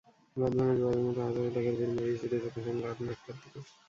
বাঁধভাঙা জোয়ারের মতো হাজারো লোকের ভিড় মাড়িয়ে ছুটে চলেছেন লালন আখড়ার দিকে।